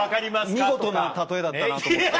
見事な例えだったなと思って。